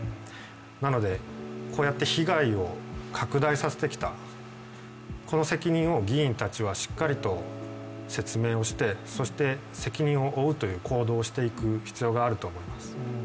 なので、こうやって被害を拡大させてきた、この責任を議員たちはしっかりと説明をして、そして、責任を負うという行動をしていく必要があると思います。